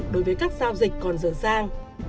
đối với các giao dịch còn dở dang